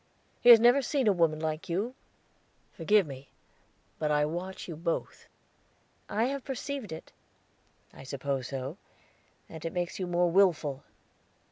"He has never seen a woman like you; who has? Forgive me, but I watch you both." "I have perceived it." "I suppose so, and it makes you more willful."